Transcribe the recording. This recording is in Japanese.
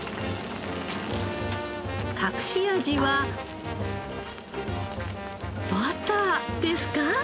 隠し味はバターですか？